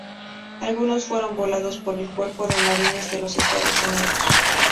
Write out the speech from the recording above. Algunos fueron volados por el Cuerpo de Marines de los Estados Unidos.